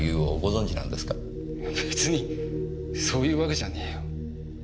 別にそういうわけじゃねえよ。